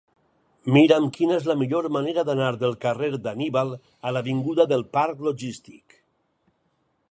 Mira'm quina és la millor manera d'anar del carrer d'Anníbal a l'avinguda del Parc Logístic.